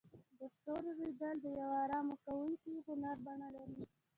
د ستورو لیدل د یو آرام کوونکي هنر بڼه لري.